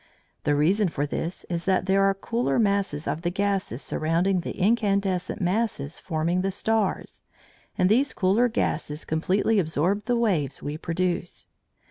The reason for this is that there are cooler masses of the gases surrounding the incandescent masses forming the stars, and these cooler gases completely absorb the waves we produce.